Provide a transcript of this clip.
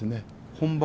本番？